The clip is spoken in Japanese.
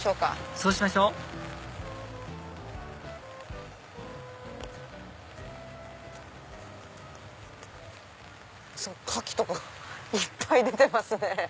そうしましょカキとかいっぱい出てますね。